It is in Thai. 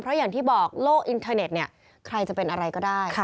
เพราะอย่างที่บอกโลกอินเทอร์เน็ตเนี่ยใครจะเป็นอะไรก็ได้